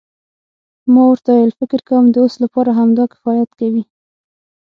ما ورته وویل فکر کوم د اوس لپاره همدا کفایت کوي.